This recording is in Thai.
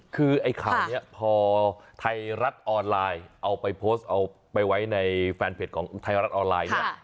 คือไอ้ข่าวนี้พอไทยรัฐออนไลน์เอาไปโพสต์เอาไปไว้ในแฟนเพจของไทยรัฐออนไลน์เนี่ย